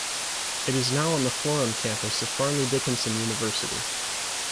It is now on the Florham Campus of Fairleigh Dickinson University.